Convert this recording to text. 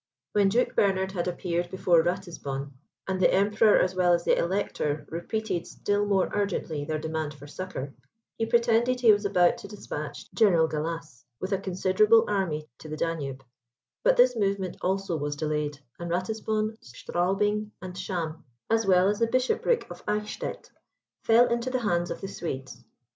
When Duke Bernard had appeared before Ratisbon, and the Emperor as well as the Elector repeated still more urgently their demand for succour, he pretended he was about to despatch General Gallas with a considerable army to the Danube; but this movement also was delayed, and Ratisbon, Straubing, and Cham, as well as the bishopric of Eichstaedt, fell into the hands of the Swedes.